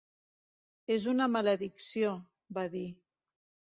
"És una maledicció", va dir.